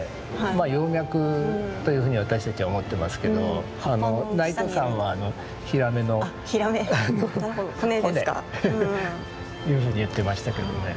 葉脈というふうに私たちは思ってますけど内藤さんはヒラメの骨というふうに言ってましたけどね。